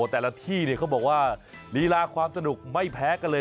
แต่ละที่เขาบอกว่าลีลาความสนุกไม่แพ้กันเลย